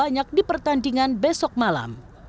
banyak di pertandingan besok malam